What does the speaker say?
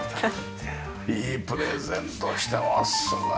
いいプレゼントしてますね。